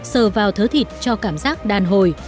sờ vào thớ thịt cho cảm giác đàn hồi